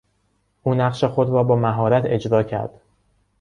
او نقش خود را با مهارت اجرا کرد.